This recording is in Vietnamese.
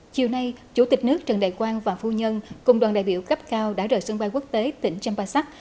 chiều nay chủ tịch nước trần đại quang và phu nhân cùng đoàn đại biểu cấp cao đã rời sân bay quốc tế tỉnh champasak